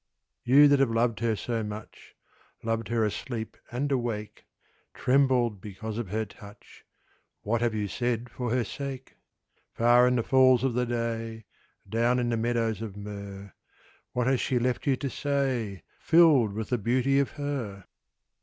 You that have loved her so much, Loved her asleep and awake, Trembled because of her touch, What have you said for her sake? Far in the falls of the day, Down in the meadows of myrrh, What has she left you to say Filled with the beauty of her?